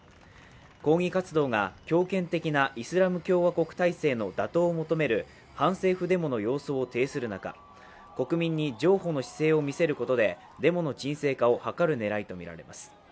抗議活動が強権的なイスラム共和国体制の打倒を求める反政府デモの様相を呈する中、国民に譲歩の姿勢を見せることでデモの沈静化を図る狙いとみられます。